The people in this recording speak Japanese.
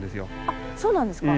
あっそうなんですか。